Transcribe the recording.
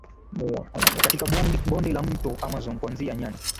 katika bonde la mto Amazon kuanzia nyani